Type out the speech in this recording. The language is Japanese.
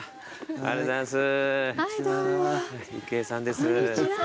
ありがとうございます。